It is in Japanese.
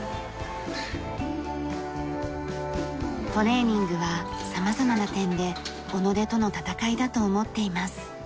トレーニングは様々な点で己との闘いだと思っています。